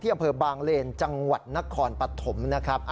อำเภอบางเลนจังหวัดนครปฐมนะครับ